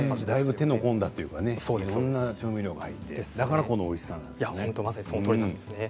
手の込んだいろんな調味料が入ってた、だからこのおいしさなんですね。